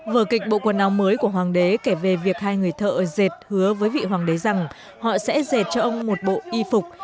vở kịch bộ quần áo mới của hoàng đế kể về việc hai người thợ dệt hứa với vị hoàng đế rằng họ sẽ dệt cho ông một bộ y phục